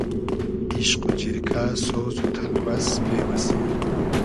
ایشق و جیرکۂ سۉز و تئلوئس بې وئسی